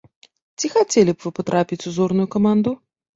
Ці хацелі б вы патрапіць у зорную каманду?